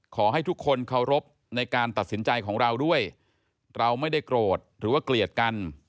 ขอให้ทุกคนเคารพในการตัดสินใจของเราด้วยเราไม่ได้โกรธหรือว่าเกลียดกัน